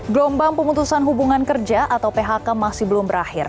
gelombang pemutusan hubungan kerja atau phk masih belum berakhir